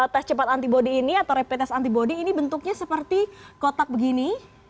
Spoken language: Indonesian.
tes cepat antibody ini atau rapid test antibody ini bentuknya seperti kotak begini